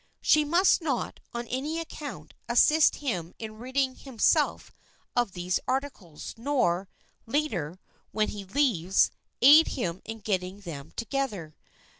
She must not, on any account, assist him in ridding himself of these articles, nor, later, when he leaves, aid him in getting them together.